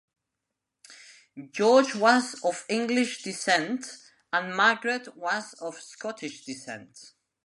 George was of English descent and Margret was of Scottish descent.